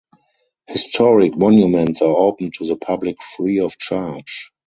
Historic monuments are open to the public free of charge.